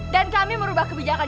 dan kami merubah kebijakan